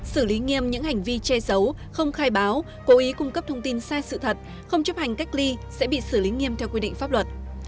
xử lý nghiêm những hành vi che giấu không khai báo cố ý cung cấp thông tin sai sự thật không chấp hành cách ly sẽ bị xử lý nghiêm theo quy định pháp luật